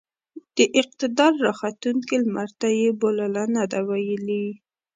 د اقتدار راختونکي لمرته يې بولـله نه ده ويلې.